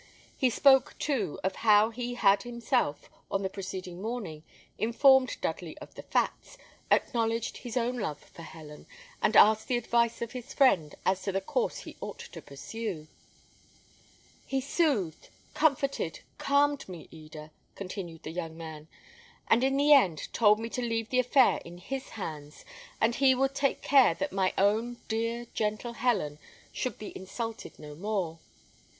He spoke, too, of how he had himself, on the preceding morning, informed Dudley of the facts, acknowledged his own love for Helen, and asked the advice of his friend as to the course he ought to pursue. "He soothed, comforted, calmed me, Eda," continued the young man: "and in the end, told me to leave the affair in his hands, and he would take care that my own dear, gentle Helen should be insulted no more.